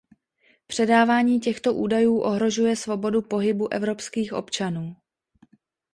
Předávání těchto údajů ohrožuje svobodu pohybu evropských občanů.